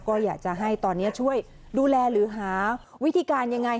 ก็อยากจะให้ตอนนี้ช่วยดูแลหรือหาวิธีการยังไง